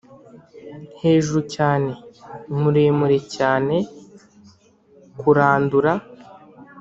hejuru cyane, muremure cyane kurandura